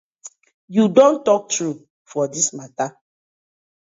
Yu don tok true for dis matter.